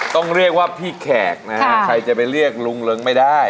ต้องเรียกว่าพี่แขกนะฮะใครจะไปเรียกลุงเริงไม่ได้